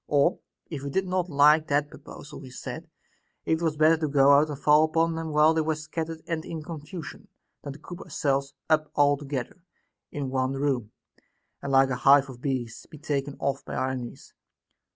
Or, if we did not like that pro posal, he said, it was better to go out and fall upon them while they were scattered and in confusion, than to coop ourselves up altogether in one room, and like a hive of bees be taken off by our enemies.